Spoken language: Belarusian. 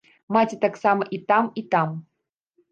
Маці таксама і там, і там.